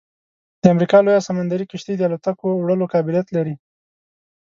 د امریکا لویه سمندري کشتۍ د الوتکو وړلو قابلیت لري